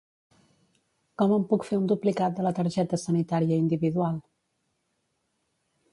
Com em puc fer un duplicat de la Targeta Sanitària Individual?